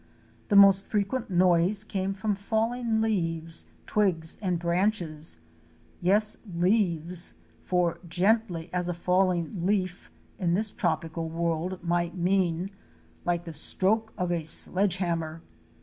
The most frequent noise came from falling leaves, twigs and branches — yes, leaves, for '' gently as a falling leaf "' in this tropic world might mean, 'like the stroke of a sledge ham mer!